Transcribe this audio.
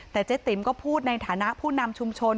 แต่เจ๊ติ๋มก็พูดในฐานะผู้นำชุมชน